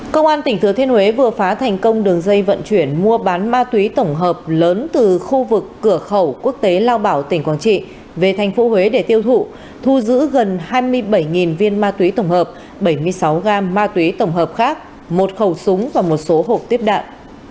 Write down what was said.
công an tỉnh thừa thiên huế vừa phá thành công đường dây vận chuyển mua bán ma túy tổng hợp lớn từ khu vực cửa khẩu quốc tế lao bảo tỉnh quảng trị về thành phố huế để tiêu thụ thu giữ gần hai mươi bảy viên ma túy tổng hợp bảy mươi sáu gam ma túy tổng hợp khác một khẩu súng và một số hộp tiếp đạn